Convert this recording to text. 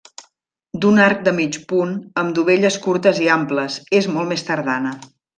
D'un arc de mig punt, amb dovelles curtes i amples, és molt més tardana.